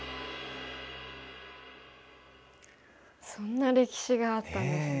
そんな歴史があったんですね。